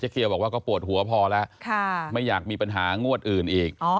เกียวบอกว่าก็ปวดหัวพอแล้วไม่อยากมีปัญหางวดอื่นอีก